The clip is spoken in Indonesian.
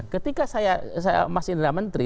ketika saya masih indera menteri